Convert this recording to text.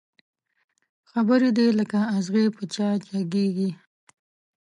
خبري دي لکه اغزي په چا جګېږي